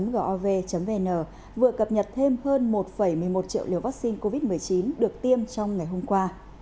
gov vn vừa cập nhật thêm hơn một một mươi một triệu liều vaccine covid một mươi chín được tiêm trong ngày hôm qua